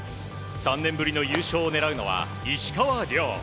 ３年ぶりの優勝を狙うのは石川遼。